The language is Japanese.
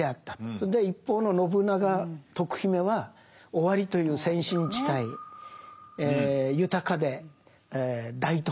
それで一方の信長徳姫は尾張という先進地帯豊かで大都会的ですよね。